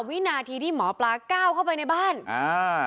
วินาทีที่หมอปลาก้าวเข้าไปในบ้านอ่า